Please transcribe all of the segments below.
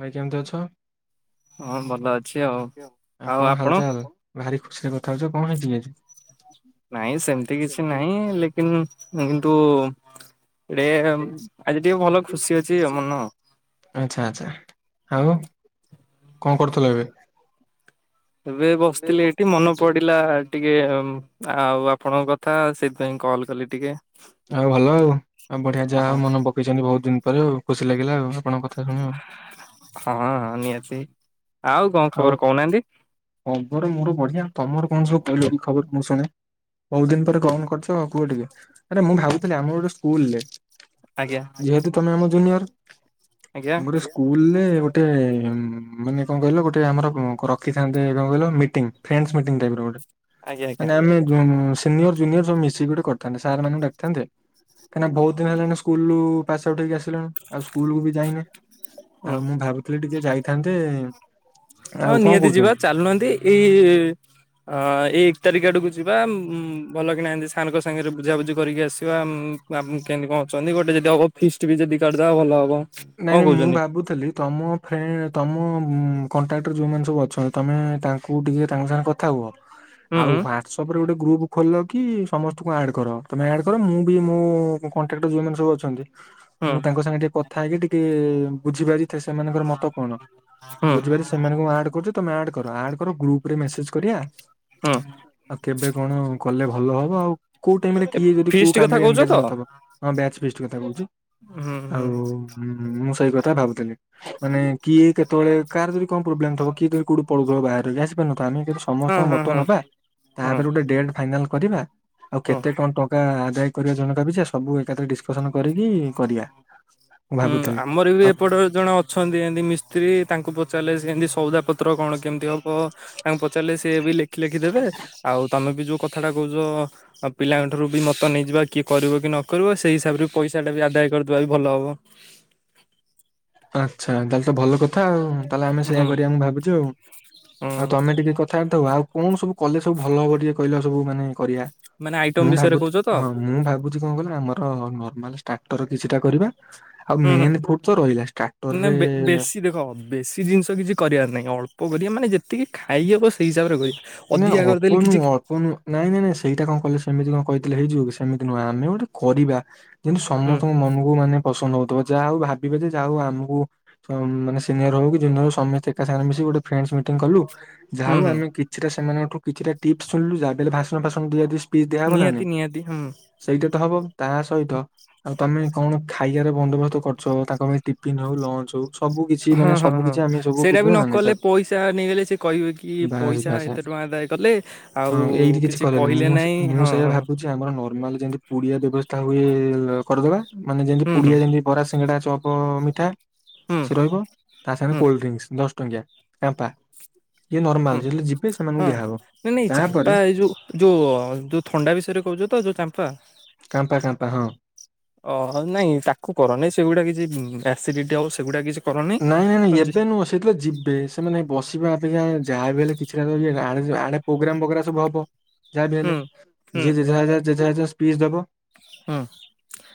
ଭାଇ କେମିତି ଅଛ ହଁ ଭଲ ଅଛି ଆଉ। ଆ ଆଉ କଣ ଆପଣ? ହାଲ ଚାଲ? ଭାରି ଖୁସି ରେ କଥା ହଉଛ କଣ ହେଇଛିି ଆଜି? ନାଇଁ ସେମିତି କିଛି ନାହିଁ ଲେକିନ୍ କିନ୍ତୁ ଏଟେ ଆଜି ଟିକେ ଭଲ ଖୁସି ଅଛି ମନ। ଆଚ୍ଛା ଆଚ୍ଛା ଆଉ କଣ କରୁଥିଲ ଏବେ? ଏବେ ବସିଥିଲି ଏଇଠି ମନେ ପଡିଲା। ଟିକେ ଆଉ ଆପଣଙ୍କ କଥା ସେଥିପାଇଁ କଲ୍ କଲି ଟିକେ। ଆଉ ଭଲ ଆଉ ଆଉ ବଢିଆ ଯାହା ହଁ ମନ ପକେଇଛନ୍ତି ବହୁତ ଦିନ ପରେ ଆଉ ଖୁସି ଲାଗିଲା ଆଉ ଆପଣଙ୍କ କଥା। ଶୁଣି ଆଉ। ହଁ ହଁ ନିହାତି ଆଉ କଣ ଖବର କହୁନାହାନ୍ତି। ହ ଘର ମୋର ବଢିଆ ତମର କଣ ସବୁ କହିଲ ଖବର ମୁଁ ଶୁଣେ। ବହୁତ ଦିନ ପରେ କଣ କରୁଛ କୁହ ଟିକେ ଆରେ ମୁଁ ଭାବୁଥିଲି ଆମର ଗୋଟେ ସ୍କୁଲରେ ଆଜ୍ଞା। ଯେତୁ ତମେ ଆମ ଜୁନିୟର ଆଜ୍ଞା ଗୋଟେ ସ୍କୁଲରେ ଗୋଟେ ମାନେ କଣ କହିଲ ଗୋଟେ ଆମର ରଖିଥାଆନ୍ତେ କଣ କହିଲ ମିଟି ଫ୍ରେନଚ ମିଟି ଟାଇପର ଗୋଟେ ଆଜ୍ଞା ଆଜ୍ଞା ମାନେ ଆମେ ଉଁ ସିନିୟର ଜୁନିୟର ଯୋ ମିଶିକି ଗୋଟେ କରିଥାନ୍ତେ ସାର୍ ମାନଙ୍କୁ ଡାକିଥାନ୍ତେ। କାହିଁକନା ବହୁତ ଦିନ ହେଲାଣି ସ୍କୁଲ ରୁ ପାସ୍ ଆଉଟ୍ ହେଇକି ଆସିଲିଣୁ ଆଉ ସ୍କୁଲକୁୁ ବି ଯାଇନି ହୁଁ। ଆଉ ମୁଁ ଭାବୁଥିଲି ଟିକେ ଯାଇଥାନ୍ତେ। ହଁ ଆଉ କଣ ନିହାତି ଯିବା କହୁଛନ୍ତି? ଚାଲୁନାହାନ୍ତି ଏଇ ହଁ ଏଇ ଏକ ତାରିଖ ଆଡ଼କୁ ଯିବା ଉଁ ଭଲ କିନା ହେନ୍ତି ସାରଙ୍କ ସାଙ୍ଗରେ ବୁଝାବୁଝି କରିକି ଆସିବା ଉଁ ଆପ କେମିତି କଣ ଅଛନ୍ତି ଗୋଟେ ଯଦି ହବ ଫିଷ୍ଟ ବି ଯଦି କାଢିଦେବା ଭଲ ହବ। ନାଇଁ କଣ ନାଇଁ ମୁଁ କହୁଛନ୍ତି? ଭାବୁଥିଲି ତମ ଫ୍ରେଣ୍ଡ ତୁମ ଉଁ କଣ୍ଟ୍ରାକ୍ଟର ଯେଉଁମାନେ ସବୁ ଅଛନ୍ତି ତୁମେ ତାଙ୍କୁ ଟିକେ ତାଙ୍କ ସାଙ୍ଗେ କଥା ହୁଅ। ହୁଁ ଆଉ ହୁଁ [unintelligible] ୱାଟ୍ସଅପ୍ରେ ଗୋଟେ ଗ୍ରୁପ୍ ଖୋଲ କି ସମସ୍ତଙ୍କୁ ଆଡ଼୍ କର ତୁମେ ଆଡ଼୍ କର ମୁଁ ବି ମୁଁ କଣ୍ଟାକ୍ଟର ଯୋଉ ମାନେ ସବୁ ଅଛନ୍ତି ହୁଁ ମୁଁ ତାଙ୍କ ସାଙ୍ଗେ ଟିକେ କ ଥାଇକି ଟିକେ ବୁଝିପାରିଥାଏ ସେମାନଙ୍କର ମତ କଣ? ହୁଁ ବୁଝିପାରୁ ସେମାନଙ୍କୁ ଆଡ଼ କର ଗ୍ରୁପ ରେ ମେସେଜ କରିବା। ହଁ। ଆଉ କେବେ କଣ କଲେ ଭଲ ହବ ଆଉ କୋଉ ଟାଇମରେ କିଏ ବି କୋଉ ଫିଷ୍ଟ କଥା କାମରେ କହୁଛ ଏନଗେଜ ତ? ନଥିବ ଆମ ବ୍ୟାଚ ଫିସ୍ଟ କଥା କହୁଛି। ଆଉ ହୁଁ ମୁଁ ସେଇ କଥା ଭାବୁଥିଲି। ମାନେ କିଏ କେତେବେଳେ କାହାର ଯଦି କଣ ପ୍ରୋବ୍ଲେମ ବ କିଏ ଯଦି କଉଠ ପଳଉଥିବ ବାହହାରାରେ ଆସି ପାରୁନ ଆମେ କି [unintelligible] ହଁ ସମସ୍ତଙ୍କ ହଁ ମତ ହଁ ନବା ହଁ ତାପରେ ଗୋଟେ ଡେଟ ଫାଇନାଲ କରିବା ଆଉ ହଁ। କେତେ କଣ ଟଙ୍କ ଙ୍କା ଆଦାୟ କରିବା ଜନକ ପିଛା ସେ ସବୁ ଏକାଥର କେ ଡିସକସନ କରିକି କରିବା। ମୁଁ ହୁଁ ଭାବୁଥିଲି ଆମ ପରେ ବି ଆଉ ଏପଟରେ ଜଣେ ଅଛନ୍ତି ଏମତି ମିସ୍ତ୍ରୀ ତାଙ୍କୁ ପଚାରିଲେ ସେମତି ସଉଦା ପତ୍ର କଣ କେମିତି ହ ବ ତାଙ୍କୁ ପଚାରିଲେ ସିଏ ବି ଲେଖି ଲେଖି ଦେବେ ଆଉ ତମେ ବି ଯୋଉ କଥାଟା କହୁଛ ପିଲାଙ୍କଠାରୁ ବି ମତ ନେଇଯିବା କିଏ କରିବ କି ନ କରିବ ସେଇ ହିସାବରେ ପଇସା ଟା ବି ଆଦାୟ କରିଦବା ବି ଭଲ ହବ। ଆଚ୍ଛା ତାହେଲେ ତ ଭଲ କଥା ଆଉ ତାହେଲେ ଆମେ ସେୟଆ କରିବା ମୁଁ ଭାବୁଛୁ ଆଉ। ହଁ। ଆଉ ତମେ ଟିକେ କଥାବାର୍ତା ହବ ଆଉ କଣ ସବୁ କଲେ ସବୁ ଭଲ ହବ ଟିକେ କହିଲ ସବୁ ମାନେ କରିବା ମାନେ ଆଇଟମ ମୁଁ ବିଷୟରେ ଭାବୁତ୍ କହୁଛ ତ ହଁ ମୁଁ ଭାବୁତ୍ ଯୋଉ କଣ କହିଲ ଆମର ର ମାନେ ଟାଟର କିଛିଟା କରିବା ଆଉ ହୁଁ ହୁଁ। ମେନ୍ ଫୁଡ୍ ରହିଲା। ନା ଷ୍ଟାର୍ଟରରେ ବେ ବେଶୀ ଦେଖ ବେଶୀ ଜିନିଷ କିଛି କରିବାର ନାହିଁ ଅଳ୍ପ କରିବା ମାନେ ଯେତିକି ଖାଇହବ ସେ ତିକି ହିସାବରେ କରିବା ଅଧିକା କରିଦେଲେ କିଛି କଣ ନାଇଁ ନ ନାଇଁ ସେଇଟା କଲେ ସେମତି କଣ କହିଦେଲେ ହେଇଯିବ କି ସେମିତି ନୁହେଁ ଆମେ ଗୋଟେ କରିବା। କିନ୍ତୁ ହୁଁ ସମସ୍ତଙ୍କ ମନକୁ ମାନେ ପସନ୍ଦ ହଉଥିବ ଯାହା ହଉ ଭାବିବେ ଯେ ଯାହା ହଉ ଆମକୁ ହ ମାନେ ସିନିୟର ହଉ କି ଜୁନିୟର ହଉ ସମସ୍ତେ ଏକା ସାଙ୍ଗରେ ମିଶିକି ଗୋଟେ ଫ୍ରେଣ୍ଡସ ମିଟିଂ କଲୁ ଯା ହୁଁ ହଉ ହୁଁ ଆମେ କିଛିଟା ସେମାନଙ୍କଠୁ କିଛିଟା ଟିପସ ଶୁଣିଲୁ ଯାହାବି ଲେ ଭାସଣ ଫାସଣ ଦିଆ ଦୁଇ ସ ପିସ ଦିଆହେବ ନା ନିହାତି ନାଇଁ ନିହାତି ହୁଁ। ସେଇଟା ତ ହବ ତାହା ସହିତ ଆଉ ତମେ କଣ ଖାଇବାର ବନ୍ଦୋବସ୍ତ କରଚ ତାଙ୍କ ପାଇଁ ଟିଫିନ ହଉ ଲଞ୍ଚ ହଉ ସବୁ କିଛି ହଁ ମାନେ ହଁ ସବୁ ହଁ କିଛି ଆମେ ସବୁ ସେଇଟା ବି ବୁଝିବା ନ ନା ନାଇଁ କଲେ ଯାବି ପଇସା ନେଇଗଲେ ସେ କହିବେ କି ବାସ ପଇସା ବାସ୍। ଏତେ ଟଙ୍କା ଆଦାୟ କଲେ ଆଉ ହଁ ଏଇଠି କିଛି କଲେନି କହିଲେ ମୁଁ ସେ ନାହିଁ ମୁଁ ହଁ ସେଇଆ ହଁ ଭାବୁଛି ଚି ଆମର ନର୍ମାଲ ଯେମତି ପୁଡିଆ ବ୍ୟବସ୍ଥା ହୁଏ କରିଦବା ମାନେ ଯେମିତି ହୁଁ ହୁଁ ପୁଡିଆ ଯେମତି ବରା ସିଙ୍ଗଡ଼ା ଚପ ମିଠା ହୁଁ ସେ ରହିବ। ତା ସାଙ୍ଗେରେ ହୁଁ କୋଲ୍ଡଡ୍ରିଙ୍କସ ଦଶ ଟଙ୍କିଆ କାମ୍ପା ଇଏ ନର୍ମାଲ ହୁଁ ଯେତେଳେ ଯିବେ ସେମାନଙ୍କୁ ହଁ ଦିଆହବ ନାଇଁ ନାଇଁ ତାପରେ ଚାମ୍ପା ଏଇ ଯୋଉ ଯୋଉ ଯୋଉ ଥଣ୍ଡା ବିଷୟରେ କହୁଛ ତ ଯୋଉ ଚାମ୍ପା। କାମ୍ପା କାମ୍ପା ହଁ। ଅ ନାଇଁ ତାକୁ କର ନାଇଁ ସେଗୁଡା କିଛି ଆସିଡିଟି ହବ ସେଗୁଡା କିଛି କରନି। ନାଇଁ ନାଇଁ ହଁ ନାଇଁ ଯେ- ଏବେନୁଅ ସେ ଯେତେବେଳେ ଯିବେ ସେମାନେ ବସିବା ଅପେକ୍ଷା ଯାହାବି ହେଲେ କିଛିଟା ଆ ଆଡେ ପ୍ରୋଗ୍ରାମ ବଗେରା ସବୁ ହବ ଯାହା ବି ହୁଁ ହେଲେ ହୁଁ ଯିଏ ଯେଝା ଯେଝା ଯେଝା ଯେଝା ସ୍ପିଚ ଦବ। ହଁ।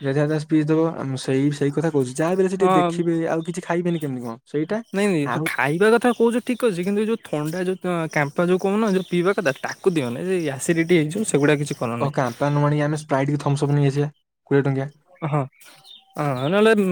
ଯେଝା ଯେଝା ସ୍ପିଚ ଦବ ଆ ମୁଁ ସେଇ ସେଇ କଥା କହୁଛି ଯାହା ବି ହେଲେ ସେ ଟିକେ ହଁ। ଦେଖିବେ ଆଉ କିଛି ଖାଇବେନି କେମିତି କଣ। ସେଇଟା ନାଇଁ ନାଇଁ ହ ଆଉ ଖାଇବା କଥା କହୁଛ ଠିକ୍ ଅଛି କିନ୍ତୁ ଯୋଉ ଥଣ୍ଡା ଯଉ କ୍ୟାମ୍ପା ଯୋଉ କହୁନ ଯଉ ପିଇବା କଥା ତାକୁ ଦିଅନିଁ ଏ ଆସିଡିଟି ହେଇଯିବ ସେଗୁଡ଼ା କିଛି ଓ କରନି କାମ୍ପା ନଆଣି କି ଆମେ ସ୍ପାଇଟ୍ କି ଥମ୍ସ ଅପ୍ ନେଇ ଆସିବା କୋଡ଼ିଏ ଟଙ୍କିଆ। ଅହଁ। ହଁ ଆ ନହେଲେ ଉ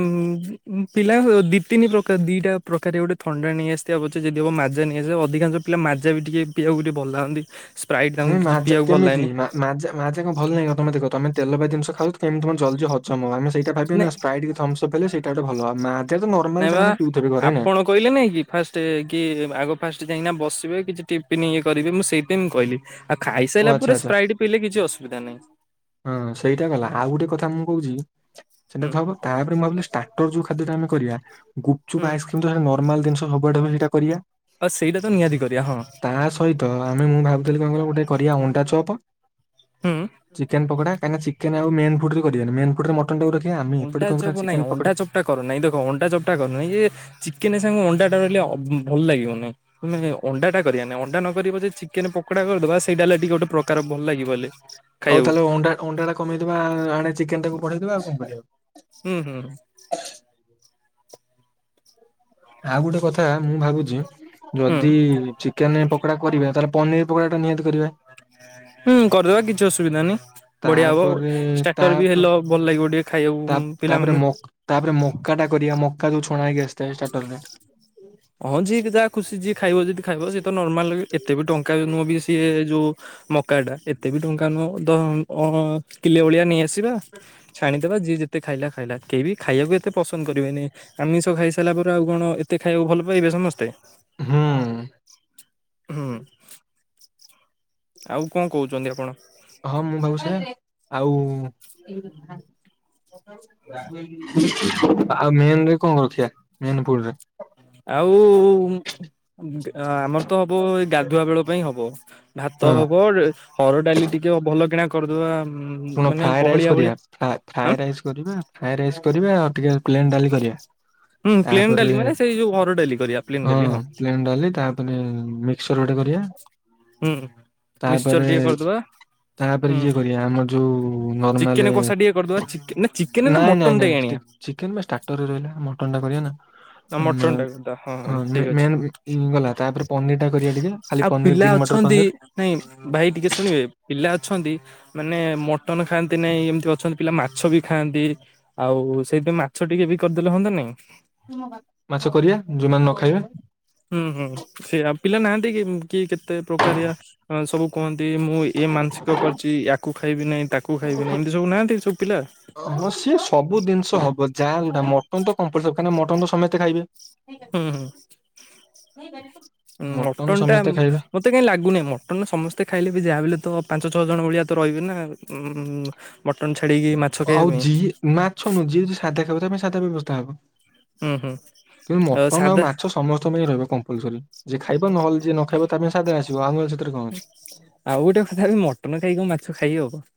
ଊ ପିଲା ଦିପିନି ପ୍ରକା ଦିଇଟା ପ୍ରକାରେ ଗୋଟେ ଥଣ୍ଡା ନେଇ ଆସିଥିବା ପଛେ ଯଦି ହବ ମାଜା ନେଇ ଆସିବ ଅଧିକାଂଶ ପିଲା ମାଯା ବି ଟିକେ ପି ଆକୁ ଟିକେ ଭଲ ଲାଗନ୍ତି। ସ୍ପ୍ରାଇଟ ତାଙ୍କୁ ନାଇଁ କିଛିି ମାଜା ପିଇବାକୁ ଭଲ କେମିତି ଲାଗେନି। ମା- ମାଜା ମାଜା କ ଭଲ ନାଇଁ ତମେ ଦେଖ ତମେ ତେଲ ଭାଜି ଜିନଷ ଖାଉଛ ଏମିତି କଣ ଜଲ୍ଲି ହଜମ ଆମେ ସେଇଟା ଭାବିବେ ନାଇଁ ନା ସ୍ପ୍ରାଇଟ୍ କି ଥମ୍ସ ଅପ୍ ହେଲେ ସେଇଟା ଗୋଟେ ଭଲ ଆଉ ମାଜା ତ ନର୍ମାଲ ସେମାନେ ପିଉଥିବେ ଘରେ ନା। କହିଲି ନାଇଁ କି ଫାଷ୍ଟ କି ଆଗ ଫାଷ୍ଟ ଯାଇନା ବସିବେ କିଛି ଟିଫନ୍ ଇଏ କରିବେ ମୁଁ ସେଇଥିପାଇଁ ମୁଁ କହିଲି। ଆ ଓ ଖାଇସାରିଲା ଆଚ୍ଛା ପରେ ଆଚ୍ଛା ସ୍ପ୍ରାଇଟ୍ ପିଇଲେ କିଛି ଅସୁବିଧା ନାହିଁ। ହଁ ସେଇଟା ଗଲା ଆଉ ଗୋଟେ କଥା ମୁଁ କହୁଛି ସେଟା ହୁଁ ତ ହବ। ତାପରେ ମୁଁ ଭାବିଲି ଷ୍ଟାର୍ଟର ଯୋଉ ଖାଦ୍ୟ ଟ ଆମେ କରିବା ଗୁପଚୁପ୍ ହୁଁ ଆଇସ କ୍ରି କିନ୍ତୁ ହେ ନର୍ମାଲ ଜିନିଷ ହବାଟେ ବି ହେଟା କରିବା। ଆ ସେଇଟା ତ ନିହାତି କରିବା ହଁ। ହ ହିତ ଆମେ ମୁଁ ଭାବୁଥିଲି କଣ କହିଲ ଗୋଟେ କରିବା ଅଣ୍ଟା ଚପ ହୁଁ। ଚିକେନ ପକୋଡ଼ା କାହିଁ ନା ଚିକେନ ଆଉ ମେନ୍ ଫୁଡ୍ ରେ କରିବାନି ମେନ୍ ଫୁଡ୍ ରେ ମଟନ୍ ଟାକୁ ର ଅଣ୍ଟା ଚପ୍ ନାଇଁ ଅଣ୍ଡା ଚପ୍ଟା କର ନାଇଁ ଦେଖ ଅଣ୍ଡା ଚପ୍ଟା କରନାହିଁ ଯେ ଚିକେନ ସାଙ୍ଗ ଅଣ୍ଡା ଟା ରହିଲେ ଅବ ଭଲ ଲାଗିବ ନି। [unintelligible] ଅଣ୍ଡା ଟା କରିବାନି ଅଣ୍ଡା ନକି ପଛେ ଚିକେନ ପକୋଡା କରିଦବା ସେଇଡା ଲେଡି ଗୋଟ ପ୍ରକାର ଭଲ ଲାଗିବ ବୋଲି। ଅଉ ତାହେଲେ ଅଣ୍ଡା ଅଣ୍ଡା ଟା କମେଇଦବା ଆ ଆଣେ ଚିକେନ ଟାକୁ ପଢେଇଦବା ଆଉ କଁ କରିବା। ହୁଁ ହୁଁ ହୁଁ। ଆଉ ଗୋଟେ କଥା ମୁଁ ଭାବୁଛି ହୁଁ ଯଦି ଚିକେନ ପକୋଡା କରିବା ତାହେଲେ ପନିର ପକଡ଼ଟା ନିହାତି କରିବା। ହୁଁ କରିଦେବା କିଛି ଅସୁବିଧା ନହିଁ ବଢିଆ ହବ ତାପରେ ଷ୍ଟାର୍ଟର ବି ହେଲ ଭଲ ଲାଗିବ ଟିଏ। ତାପ ତାପରେ ମକ ତାପରେ ମକା ଟା କରିବା ମକା ଯୋଉ ଛଣା ହେଇକି ଆସିଥାଏ ଷ୍ଟାର୍ଟର ରେ। ହଁ ଯିଏ କା ଯାହା ଖୁସି ଯିଏ ଖାଇବ ଯଦି ଖାଇବ ସିଏ ତ ନର୍ମାଲ ଏତେ ବି ଟଙ୍କା ନୁହଁ ବି ସିଏ ଯୋଉ ମକା ଟା ଏତେ ବି ଟଙ୍କା ନୁହ ଦନ୍ ଅ କିଲେ ଭଳିଆ ନେଇଆସି ତିବା ଛାଣିଦବା ଯିଏ ଯେତେ ଖାଇଲା ଖାଇଲା କେହିବି ଖାଇବାକୁ ଏତେ ପସନ୍ଦ କରିବେଷ ଆମିଷ ଖାଇ ସ ହେଲାପରେ ଆଉ କଣ ଏତେ ଖାଇବାକୁ ଭଲ ପାଇବେ ସମସ୍ତେ? ହୁଁ। ହୁଁ ଆଉ କଁ କହୁଚନ୍ତି ଆପଣ? ହଁ ମୁଁ ଭାବୁଛେ ଆଉ ଆଉ ମେନ ରେ କଁ ରଖିବା ମେନପୁର ରେ? ଆଉ ଉଁଗା ଆମ ତପ ଏଇ ଗାଧୁଆ ବେଳ ପାଇଁ ହବ ଭାତ ହଁ ହବ ହର ଡାଲି ଟିକେ ଭଲ କିଣା କରିଦବା ଉମ କଣ ଫ୍ରାଏ ରାଇସ୍ କରିବା ଫ୍ରା ଫ୍ରାଏ ରାଇସ୍ କରିବା ଫ୍ରାଏ ରାଇସ୍ କରିବା ଆଉ ଟିକେ ପ୍ଲେନ୍ ଡାଲି କରିବା। ହୁଁ ପ୍ଲେନ ତାପରେ ଡାଲି ମାନେ ସେଇ ଯୋଉ ହରଡ଼ ଡାଲି କରିବା ପ୍ଲେନ ହଁ ଡାଲି ପ୍ଲେନ୍ ଡାଲି ତା ପରେ ମିକ୍ସର ଗୋଟେ କରିବା। ହୁଁ ମିକ୍ସଚର ତାପରେ ଟିକେ କରିଦବା ତାପରେ ହୁଁ ଇଏ କରିବା ଆମ ଯୋଉ ନାର୍ମଲ୍ ଚିକେନ କଷା ଟିକେ କରିଦବା ଚିକେ ନା ଚିକେନ ନା ନାଇ ନାଇ ମଟନ ଟା ନାଇ ଆଣିବା ଷ୍ଟିକ୍ ଚିକେନ ବା ଟାଟରେ ରହିଲା ମଟନ ଟା କରିବା ନା ନା ମଟନ ଆମା ଟା କରିଦବା ହଁ ଠିକ ଅଛି। [unintelligible] ଗଲା ତାପରେ ପନିର ଟା କରିବା ଟିକେ। ଖାଲି ଆଉ ପନିର ପିଲା ଗ୍ରୀନ୍ ମଟର ଅଛନ୍ତି ପନିର ନାଇଁ ଭାଇ ଟିକେ ଶୁଣିବେ ପିଲା ଅଛନ୍ତି ମାନେ ମ ଟନ ଖାଆନ୍ତି ନାଇଁ ଏମିତି ଅଛନ୍ତି ପିଲା ମାଛ ବି ଖାଆନ୍ତି ଆଉ ସେଇଥିପାଇ ମାଛ ଟିକେ ବି କରିଦେଲେ ହୁଅନ୍ତତା ନି? ମାଛ କରିବା ଯୋଉମାନେ ନ ଖାଇବେ। ହୁଁ ହୁଁ ସେ ରାମପିଲା ନାହାଁନ୍ତି କି କି କେତେ ପ୍ରକାରିଆ। ହ ସବୁ କୁହନ୍ତି ମୁଁ ଇୟେ ମାନସିକ କରିଚି ୟାକୁ ଖାଇବି ନି ତାକୁ କୁ ଖାଇବିନି ଏମତି ସବୁ ନାହାନ୍ତି ସବ୍ ପିଲା? ହ ସିଏ ସବୁ ଜିନିଷ ହବ ଯାହା ଯଉଟା ମଟନ ତ କମ୍ପଲ୍ କାଁ ମଟନ୍ ତ ସମସ୍ତେ ଖାଇବେ। ହୁଁ ହୁଁ। ମଟନ ସମସ୍ତେ ଖାଇବେ। ତେ କାଇ ଲାଗୁନି ମଟନ୍ ସମସ୍ତେ ଖାଇଲେ ବି ଯାହା ବଲେ ତ ପାଞ୍ଚ ଛଅ ଜଣ ଭଳିଆ ତ ରହିବେ ନା ଆଉ ଉମ ମଟନ୍ ଛାଡିକି ମା ଆଉ ଯିଏ ମାଛନୁ ଯିଏ ଯିଏ ସାଧା ଖାଇବ ତା ପାଇଁ ସାଧା ବ୍ୟବସ୍ଥା ହବ। ହୁଁ ହୁଁ କି ମଟନ ଆଉ ମାଛ ସ ସମସ୍ତଙ୍କ ପାଇଁ ରହିବ କମ୍ପଲସରି ଯିଏ ଖାଇବା ନହେଲେ ଯିଏ ନ ଖାଇବା ତା ପାଇଁ ସାଧ ଆସିବ ଆମ ସେଥିରେ କଁ ଅଛି। ଆଉ ଗୋଟେ କଥବିା ମଟନ ଖାଇକି ମାଛ ଖାଇ ହବ।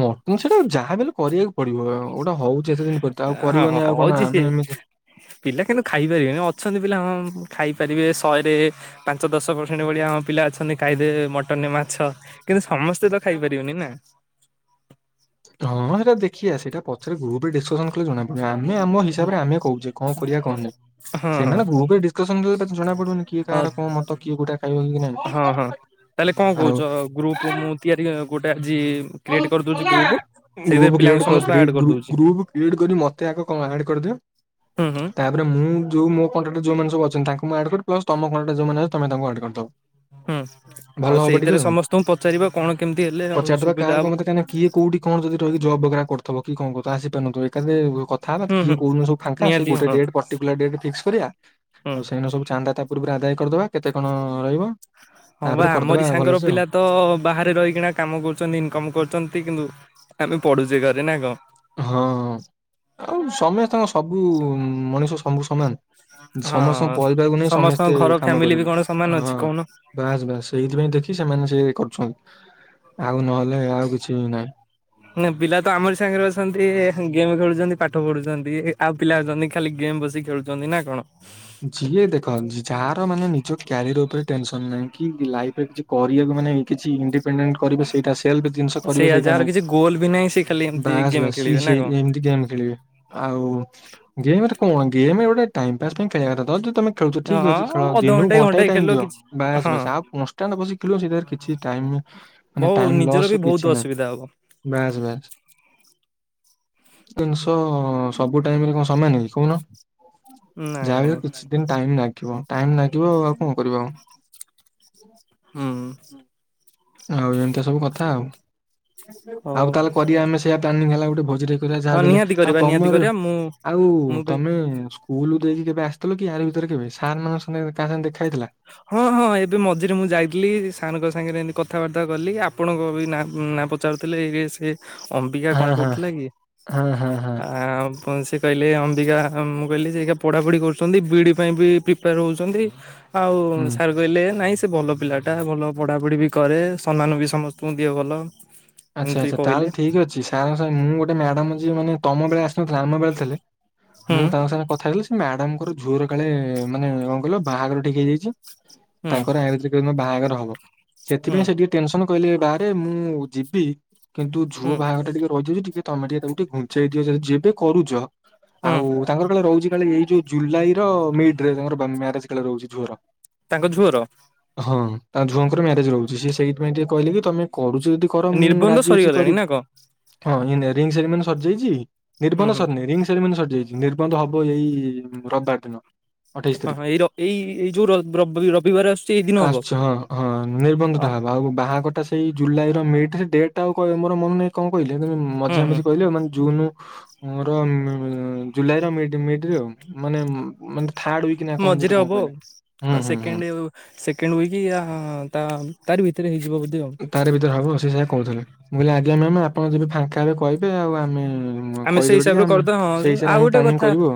ମଟନ ସେଟା ଯାହା ବଲେ କରିବାକୁ ପଡିବ ଗୋଟା ହୋଉଚି ଏତେ ଦିନ ପର ତ ଆଉ ହଁ କରିବନି ଆଉ ହଉଛି କଣ ସିଏ ଆମେ ଏମିତି ପିଲା କିନ୍ତୁ ଖାଇପାରିବେନି ଅଛନ୍ତି ପିଲା ହଁ ଖାଇପାରିବେ ଶହେରେ ପାଞ୍ଚ ଦଶ ପରସେଣ୍ଟ ଭଳିଆ ପିଲା ଅଛନ୍ତି କାଇଦେ ମଟନ ମାଛ। କିନ୍ତୁ ସମସ୍ତେ ତ ଖାଇପାରିବନି ନା? ହଁ ହେରା ଦେଖିବା ସେଟା ପଛରେ ଗ୍ରୁପ୍ରେ ଡିସକସନ କଲେ ଜଣା ପଡିବ ଆମେ ଆମ ହିସାବରେ ଆମେ କହୁଛେ କଁ କରିବା କଁ ନାହିଁ। ହଁ ସେମାନେ ଗ୍ରୁପରେ ଡିସକସନ ଜଣା ପଡୁନି କିଏ ହଁ କାହାର କଣ ମତ କିଏ ଗୋଟେ ଖାଇବ କି ନାଇଁ। ହଁ ହଁ ତାହେଲେ କଣ କହୁଛ ଗ୍ରୁପ ମୁଁ ତିଆରି ଗୋଟେ ଆଜି କ୍ରିଏଟ୍ କରିଦଉଛି ଗ୍ରୁପ ସେଇଥିରେ ପିଲାଙ୍କୁ ସମସ୍ତେ ଆଡ କରିଦଉଛି। କ୍ରିଏଟ୍ କରିକି ମତେ ଆଗ କ ଆଡ କରିଦିଅ। ହୁଁ ହୁଁ। ତାପରେ ମୁଁ ଯୋଉ ମୋ କଣ୍ଟାକ୍ଟ ଯୋଉମାନେ ସବୁ ଅଛନ୍ତି ତାଙ୍କୁ ମୁଁ ଆଡ କର ପ୍ଲସ୍ ତମ କଣ୍ଟାକ୍ଟ ଯୋଉମାନେ ଅ ତମେ ତାଙ୍କୁ ଆଡ କରିଦବ। ହୁଁ ଭଲ ଆଉ ହବ ଟିକେ ସେଇଥିରେ ଆଉ ସମସ୍ତଙ୍କୁ ପଚାରିବା କଣ କେମିତି ହେଲେ ଆଉ ସୁବିଧା ହବ। କାହିଁକି କିନା କିଏ କୋଉଠି କଣ ଯଦି ରହିିକି ଜବ୍ ବଗେରା କରୁଥବ କି କଣ କରୁଥବ ଆସିପାରନଥିବ ଏକାଥରେ କ ଥା ହବା ହୁଁ କିଏ ହୁଁ କୋଉ ଦିନ ସବୁ ଫାଙ୍କା ସେ ନିହାତି ଗୋଟେ ହଁ ଡେଟ୍ ପଟିକୁଲାର ଡେଟ ଫିକ୍ସ କରିବା ହୁଁ ଆଉ ସେଇଦିନ ସବୁ ଚାନ୍ଦା ତା ପୂର୍ବରୁ ଆଦାୟ କରିଦବା କେତେ କଣ ରହିବ ହଁ ବା ତାପରେ କରିଦବା ଆମରି ସାଙ୍ଗର ଭଲସେ ଆଉ। ପିଲା ତ ବାହାରେ ରହିକିନା କାମ କରୁଛନ୍ତି ଇନକମ କରୁଛନ୍ତି କିନ୍ତୁ ଆମେ ପଢୁଛେ ଘରେ ନା କଣ। ହଁ ଆଉ ସମସ୍ତଙ୍କ ସବୁ ମଣିଷ ସବୁ ସମାନ? ହଁ ସମସ୍ତଙ୍କ ପରିବାରକୁ ନେଇ ସମସ୍ତଙ୍କ ସମସ୍ତେ ଘର କାମ ଫ୍ୟାମିଲି ବି କରିବେ କଣ ସମାନ ଅଛି ହ କହୁନ ବାସ ବାସ୍ ସେଇଥିପାଇଁ ଦେଖି ସେମାନେ ସେ କରୁଛନ୍ତି ଆଉ ନହେଲେ ଆଉ କିଛି ବି ନାହିଁ। ନା ପିଲା ତ ଆମରି ସାଙ୍ଗରେ ଅଛନ୍ତି ଗେମ୍ ଖେଳୁଛନ୍ତି ପାଠ ପଢୁଛନ୍ତି ଆଉ ପିଲା ଅଛନ୍ତି ଖାଲି ଗେମ୍ ବସିକି ଖେଳୁ ଛନ୍ତି ନା କଣ। ଯିଏ ଦେଖ ଯାହାର ମାନେ ନିଜ କ୍ୟାରିଅର ଉପରେ ଟେନସନ ନାହିଁ କି ଲାଇଫରେ କିଛି କରିବାକୁ ମାନେ କିଛି ଇଣ୍ଡି ପେଣ୍ଡନ କରିବେ ସେଇଟା ସେଲ୍ଫ ଜିନିଷ କରିବେ ସେଇଆ ସେଇଟା ଯାହାର ନାହିଁ କିଛି ଗୋଲ ବି ନାହିଁ ସେ ଖାଲି ଏମିତି ବାସ୍ ଗେମ୍ ବାସ୍ ଖେଳିବେ ସିଏ ନା କଣ ସେଇ ଏମିତି ଗେମ୍ ଖେଳିବେ। ଆଉ ଗେମରେ କଣ ଗେମ ଗୋଟେ ଟାଇମପାସ୍ ପାଇଁ ଖେଳିବା କଥା ଯ ତମେ ଖେଳୁଛ ଠିକ ହଁ ଅଛି ଖେଳ ଦିନକୁ ଅଧଘଣ୍ଟା ଘଣ୍ଟାଏ ଟାଇମ ଖେଳିଲ ଦିଅ କିଛି ବାସ ହଁ ବାସ୍ ଆଉ କନଷ୍ଟାନଟ୍ ବସିକି ଖେଳିଲ ସେଇ ଜାଗାରେ କିଛି ମାନେ ବହୁ ଟାଇମ ନିଜର ଲସ୍ ବି ବହୁତ କିଛି ନାହିଁ ଅସୁବିଧା ହବ। ବାସ ବାସ। ଜିନିଷ ସବୁ ଟାଇମରେ କଣ ସମାନକି କହୁନ। ନାଇଁ ନାଇଁ ଯାହାବିହେଲେ କିଛି ଦିନ ଟାଇମ ଲାଗିବ ଟାଇମ ଲାଗିବ ଆଉ କଣ କରିବା ଆଉ। ହୁଁ। ଆଉ ଏମିତିଆ ସବୁ କଥା ଆଉ। ହଉ ଆଉ ତାହେଲେ କରିବା ଆମେ ସେଇଆ ପ୍ଲାନିଂ ହେଲା ଗୋଟେ ଭୋଜି କରିବା ହଁ ଯାହାବିହେଲେ ନିହାତି ଆଉ କରିବା ନିହାତି ତମର କରିବା ମୁଁ ଆଉ ମୁଁ ବି ତମେ ସ୍କୁଲ ଦେଇକି କେବେ ଆସିଥିଲ କି ଆର ଭିତରେ କେବେ ସାର୍ ମାନଙ୍କ ସାଙ୍ଗେ କାହା ସାଙ୍ଗେ ଦେଖା ହେଇଉଥିଲା? ହଁ ହଁ। ହଁ ଏବେ ମଝିରେ ମୁଁ ଯାଇଥିଲି ସାରଙ୍କ ସାଙ୍ଗରେ ଏମିତି କଥାବାର୍ତ୍ତା କଲି ଆପଣଙ୍କ ବିଁ ନାଁ ନାଁ ପଚାରୁଥିଲେ ଇଏ ସେ ଅମ୍ବିକା କଣ ହଁ ହଁ କରୁଥିଲା କି? ହଁ ହଁ ହଁ କଣ୍ଟାକ୍ଟ କଣ ସେ-, କହିଲେ ଅମ୍ବିକା ମୁଁ କହିଲି ସେ ଏଇକା ପଢ଼ାପଢ଼ି କରୁଛନ୍ତି ବକ ଡ଼ି ପାଇଁ ବି ପ୍ରିପେୟାର ହେଉଛନ୍ତି। ଆଉ ହୁଁ ସାର କହିଲେ ନାଇଁ ସେ ଭଲ ପିଲା ଟା ଭଲ ପଢାପଢି ବି କରେ ସମ୍ମାନ ବି ସମସ୍ତଙ୍କୁ ଦିଏ ନାହିଁ ଭଲ। ଆଛା ଏମିତି ଆଛା କହିଲେ ତାହେଲେ ଠିକ ଅଛି। ସାର୍ ଙ୍କ ସାଙ୍ଗେ ମୁ ଗୋଟେ ମ୍ୟାଡ଼ାମ ଯିଏ ମାନେ ତମ ପାଇଁ ଆସିନଥିଲା ଆମ ପାଇଁ ଥିଲେ ହୁଁ ମୁଁ ତାଙ୍କ ସାଙ୍ଗରେ କଥା ହେଇଗଲି ସେ ମ୍ୟାଡାମଙ୍କର ଝୁଅର କାଳେ ମାନେ କଣ କହିଲ ବାହାଘର ଠିକ ହେଇଯାଇଛି। ହୁଁ ତାଙ୍କର ଆ ଯୋଉଦିନ ବାହାଘର ହବ ହୁଁ ସେଥିପାଇଁ ସେ ଟିକେ ଟେନସନ କହିଲେ ବାରେ ମୁଁ ଯିବି କିନ୍ତୁ ଝୁଅ ହୁଁ ବାହାଘରଟା ଟିକେ ରହିଯାଉଛି ଟିକେ ତମ ଟିକେ ତାକୁ ଟିକେ ଘୁଞ୍ଚେଇଦିଅ ଯେବେ କରୁଛ ହୁଁ ଆଉ ତାଙ୍କର କାଳେ ରହୁଛି କାଳେ ଏଇ ଯୋଉ ଜୁଲାଇ ର ମିଡ୍ ରେ ତାଙ୍କର ମ୍ୟାରେଜ କାଳେ ରହୁଛି ଝୁଅର। ତାଙ୍କ ଝୁଅର? ହଁ ତାଙ୍କ ଝୁଅଙ୍କର ମ୍ୟାରେଜ ରହୁଛି ସିଏ ସେଇଥିପାଇ ଟିକେ କହିଲେ କି ତମେ କରୁଛ ଯଦି କର ମୁଁ ନିର୍ବନ୍ଧ ରାଜି ଅଛି ସରିଗଲାଣି ନା କଣ? କରିବି ହଁ ଇଏ ରିଙ୍ଗ୍ ସେରିମନି ସରିଯାଇଛି ହୁଁ ନିର୍ବନ୍ଧ ହୁଁ ସରିନି ରିଙ୍ଗ ସେରିମାନୀ ସରିଯାଇଛି। ନିର୍ବନ୍ଧ ହବ ଏଇ ରବିବାର ଦିନ। ଅଠେଇଶ ତାରିଖ ହଁ ଏଇ ର ଏଇ ଏଇ ଯୋଉ ରବ ରବ୍ ରବିବାର ଆସୁଛି ଏଇ ଦିନ ହବ? ଆସୁଛି ହଁ ହଁ ନିର୍ବନ୍ଧ ଅ ଟା ହବ ଆଉ ବାହାଘରଟା ଏଇ ଜୁଲାଇ ର ମିଡ୍ ରେ ଡେଟ୍ ଟା ଆଉ ମୋର ମନ ନାହିଁ କଣ କହିଲେ କିନ୍ତୁ ହୁଁ ମଝିଆ ହୁଁ ମଝି କହିଲେ ମାନେ ଜୁନୁ- ର ଜୁଲାଇ ର ମିଡ୍-ମିଡ୍ ରେ ଆଉ ମାନେ- ମାନେ ଥାର୍ଡ ଉଇକ୍ ନା କଣ ଏମିତି ମଝିରେ ଗୋଟିଏ କଣ ହବ ଆଉ। କହିଲେ, ହୁଁ-ହୁଁ-ହୁଁ। ସେକେଣ୍ଡ ସେକେଣ୍ଡ ଉଇକି ୟା ତା ତାରି ଭିତେରେ ହେଇଯିବ ବୋଧେ। ଆଉ। ତାରି ଭିତେରେ ହବ ସିଏ ସେୟା କହୁଥିଲେ, ମୁଁ କହିଲି ଆଜ୍ଞା ମ୍ୟାମ୍ ଆପଣ ଯେବେ ଫାଙ୍କା ହେବେ କହିବେ ଆଉ ଆମେ- ଆମେ ସେଇ କହିଦେବେ ଟିକେ ହିସାବରେ ଆମେ କରିଦବା, ସେଇ ହଁ ହିସାବରେ ଆଉ ଆମେ ଗୋଟେ ପ୍ଲାନିଂ କଥା- କରିବୁ ଆଉ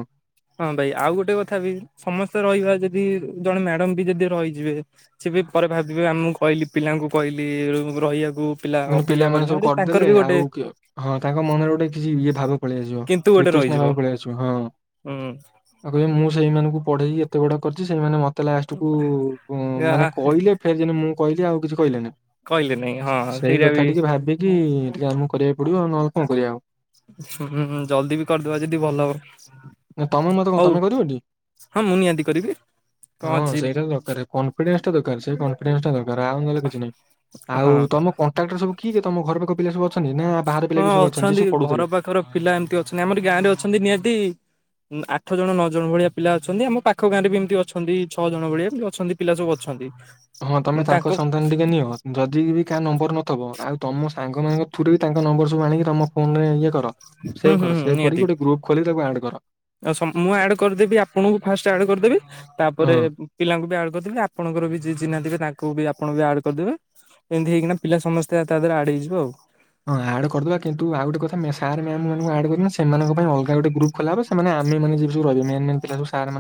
ହଁ ଭାଇ, ଆଉ ଗୋଟେ କଥା ବି ସମସ୍ତେ ରହିବା ଯଦି ଜଣେ ମ୍ୟାଡମ୍ ବି ଯଦି ରହିଯିବେ- ସେଏବି ପରେ ଭାବିବେ ଆମୁ କହିଲି ପିଲାଙ୍କୁ କହିଲି ରହିଆକୁ ପିଲା ମାନେ ଅପେକ୍ଷା ପିଲାମାନେ ସବୁ କରୁନାହାନ୍ତି, କରିଦେଲେ ତାଙ୍କର ବି ଆଉ ଗୋଟେ କି ହଁ ତାଙ୍କ ମନରେ ଗୋଟେ କିଛି ଇଏ ଭାବ ପଳେଇଆସିବ, କିନ୍ତୁ ଗୋଟେ ବିତୃଷ୍ଣ ରହିଯିବ ଭାବ ପଳେଇ ଆସିବ ହୁଁ ହଁ। ଆଉ କହିବେ ମୁଁ ସେଇମାନଙ୍କୁ ପଢେଇକି ଏତେ ବଡ କରିଚି, ସେଇମାନେ ମ ତେ ଲଷ୍ଟକୁୁ ଏହା ମାନେ କହିଲେ, ଫେର୍ ଯେନି ମୁଁ କହିଲି ଆଉ କିଛି କହିଲେନି। କହିଲେନେଇଁ ହଁ। ସେଇଟା ସେଇକଥା ବି ଟିକେ ଭାବିକି ଟିକେ ଆମକୁ କରିଆକୁ ପଡିବ, ଆଉ ନହେଲେ କଣ କରିଆ ଆଉ। ହୁଁ ଜଲଦି ବି କରିଦବା ଯଦି ଭଲ ହବ। ତମେ ମତେ କଣ ହଉ ତମେ କରିବ ଟି, ହଁ ମୁଁ ନିହାତି କରିବି କଣ ହଁ ଅଛି ସେଇଟା ତ ଦକାରେ। କନଫିଡେନ୍ସ ଟା ଦରକାର୍ ସେ କନଫିଡେନ୍ସ ଟା ଦରକାର୍ ଆଉ ନହେଲେ କିଛି ନାହିଁ, ହଁ। ଆଉ ତମ କନ୍ ଟାକ୍ଟ୍ରେ ସବୁ କିଏ-କିଏ ତମ ଘର ପାଖ ପିଲା ସବୁ ଅଛନ୍ତି, ନା ବାହାର ପିଲା ବି ସବୁ ଅଛନ୍ତି ଯିଏ ସବୁ ପଢୁଥିଲେ? ଙ୍କର ପିଲା ଏମ୍ ତି ଅଛନ୍ତି ଆମର ଗାଁ ରେ ଅଛନ୍ତି ନିହାତି ଆଠ ଜଣ ନଅ ଜଣ ଭଳିଆ ପିଲା ଅଛନ୍ତି, ଆମ ପାଖ ଗାଁରେ ବି ଏମ୍ତି ଅଛନ୍ତି ଛଅ ଜଣ ଭଳିଆ ଅଛନ୍ତି। ପିଲା ସବୁ ଅଛନ୍ତି। ହଁ ତମେ ତାଙ୍କ ସନ୍ଧାନ ଟିକେ ନିଅ। ଯଦି ବି କାହା ନମ୍ବର ନଥବ, ଆଉ ତମ ସାଙ୍ଗମାନଙ୍କ ଥ୍ରୁରେ ବି ତାଙ୍କ ନମ୍ବର ସବୁ ଆଣିକି ତମ ଫୋନରେ ଇଏ କର। ହୁଁ ସେଭ୍ ହୁଁ କର ହୁଁ ସେଭ୍ କରିକି ନିହାତି ଗୋଟେ ଗ୍ରୁପ୍ ଖୋଲିକି ତାକୁ ଆଡ କର। [unintelligible] ମୁଁ ଆଡ୍ କରିଦେବି ଆପଣଙ୍କୁ ଫାଷ୍ଟ ଆଡ୍ କରିଦେବି ହଁ ତାପରେ ପିଲାଙ୍କୁ ବି ଆଡ କରିଦେବେ, ଆପଣଙ୍କର ବି ଯିଏ ଚିହ୍ନା ଥିବେ ତାଙ୍କୁ ବି ଆପଣ ବି ଆଡ୍ କରିଦେବେ। ଏନ୍ତି ହେଇକିନା ପିଲା ସମସ୍ତେ ତା ଧେରେ ଆଡ୍ ହେଇଯିବେ ଆଉ। ହଁ ଆଡ୍ କରିଦବା କିନ୍ତୁ ଆଉ ଗୋଟେ କଥା ସାର୍ ମ୍ୟାମ୍ ମାନଙ୍କୁ ଆଡ୍ କରିବାନି, ସେମାନଙ୍କ ପାଇଁ ଅଲଗା ଗୋଟେ ଗ୍ରୁପ୍ ଖୋଲା ହବ ସେମାନେ ଆମେମାନେ [unintelligible] ଯୋଉ ରହିବେ ମେନ୍-ମେନ୍ ପିଲା ସବୁ ସାର୍ ମାନ-